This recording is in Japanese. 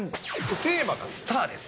テーマがスターです。